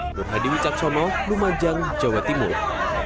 nurhadi wicaksono lumajang jawa timur